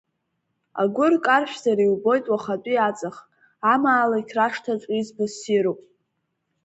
Агәыр каршәзар иубоит уахатәи аҵых, амаалықь рашҭаҿ избо ссируп.